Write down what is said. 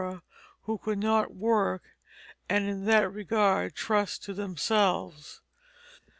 who could not work, and in that regard trust to themselves."